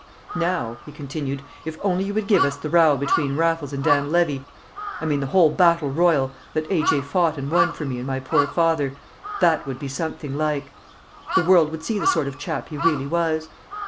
"Now," he continued, "if only you would give us the row between Raffles and Dan Levy, I mean the whole battle royal that A.J. fought and won for me and my poor father, that would be something like! The world would see the sort of chap he really was."